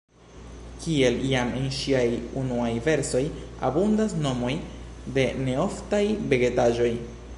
Kiel jam en ŝiaj unuaj versoj, abundas nomoj de neoftaj vegetaĵoj.